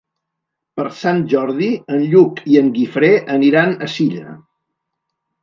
Per Sant Jordi en Lluc i en Guifré aniran a Silla.